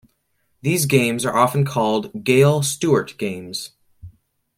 These games are often called Gale-Stewart games.